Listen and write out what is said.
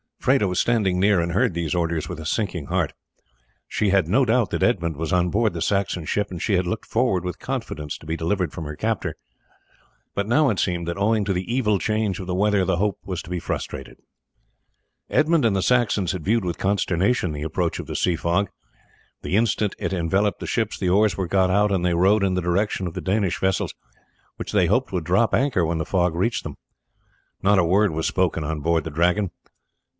Freda was standing near and heard these orders with a sinking heart. She had no doubt that Edmund was on board the Saxon ship, and she had looked forward with confidence to be delivered from her captor; but now it seemed that owing to the evil change of the weather the hope was to be frustrated. Edmund and the Saxons had viewed with consternation the approach of the sea fog. The instant it enveloped the ship the oars were got out and they rowed in the direction of the Danish vessels, which they hoped would drop anchor when the fog reached them. Not a word was spoken on board the Dragon.